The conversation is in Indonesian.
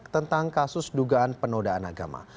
tentang kasus dugaan penodaan agama